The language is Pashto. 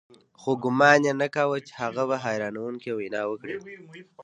خو ګومان يې نه کاوه چې هغه به حيرانوونکې وينا وکړي.